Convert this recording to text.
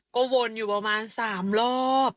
ก็วนอยู่ประมาณ๓รอบ